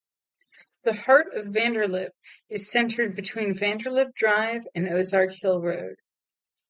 The "heart" of Vanderlip is centered between Vanderlip Drive and Ozark Hill Road.